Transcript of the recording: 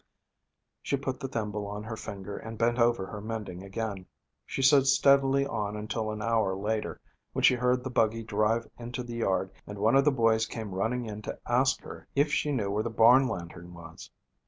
She put the thimble on her finger and bent over her mending again. She sewed steadily on until an hour later, when she heard the buggy drive into the yard and one of the boys came running in to ask her if she knew where the barn lantern was.